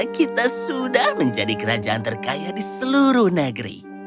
kita sudah menjadi kerajaan terkaya di seluruh negeri